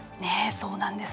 そうなんです。